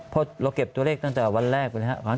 เพราะเราเก็บตัวเลขตั้งแต่วันแรกไปแล้ว